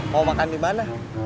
mau makan di mana